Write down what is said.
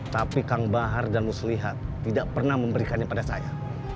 tapi kang bahar dan muslihat tidak pernah memberikannya pada saya